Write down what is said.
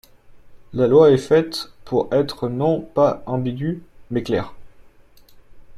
La loi est faite pour être non pas ambiguë, mais claire.